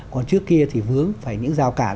còn trước kia thì vướng phải những dào cản